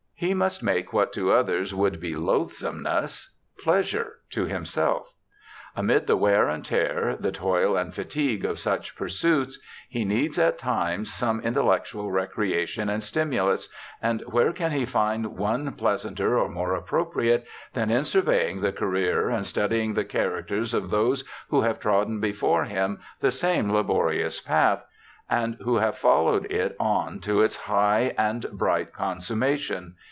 He must make what to others would be loathsomeness pleasure to himself. Amid the wear and tear, the toil and fatigue of such pursuits, he needs at times some intellectual recreation and stimulus, and where can he find one pleasanter or more appropriate than in sur veying the career, and studying the characters of those who have trodden before him the same laborious path, 128 BIOGRAPHICAL ESSAYS and who have followed it on to its high and bright consummation